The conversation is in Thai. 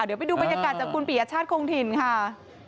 เดี๋ยวไปดูบรรยากาศจากคุณปียชาติคงถิ่นค่ะ